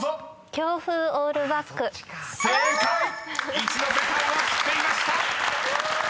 ［一ノ瀬さんは知っていました！］